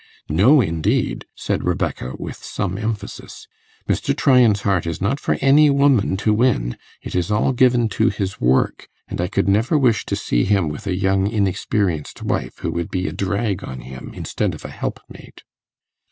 'No, indeed,' said Rebecca, with some emphasis: 'Mr. Tryan's heart is not for any woman to win; it is all given to his work; and I could never wish to see him with a young inexperienced wife who would be a drag on him instead of a helpmate.